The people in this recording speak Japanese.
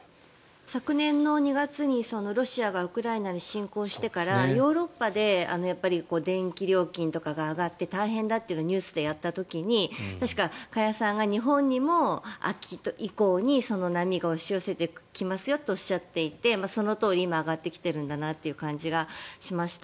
昨年２月にロシアがウクライナに侵攻してからヨーロッパで電気料金とかが上がって大変だというのをニュースでやった時に確か加谷さんが日本にも秋以降にその波が押し寄せてきますよとおっしゃっていてそのとおり今上がってきてるんだなという感じがしました。